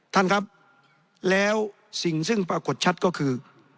ท่านครับแล้วสิ่งซึ่งปรากฏชัดก็คือ